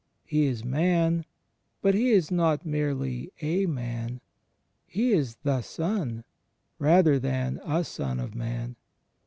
He is Man, but He is not merely A Man : He is The Son, rather than A Son of man.